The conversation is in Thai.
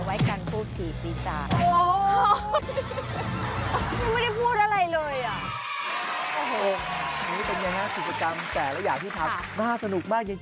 วันนี้เป็นยังไงฮะศุษยกรรมแต่ละอย่างที่ทำน่าสนุกมากจริง